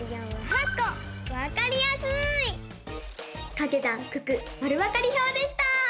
「かけ算九九まるわかり表」でした！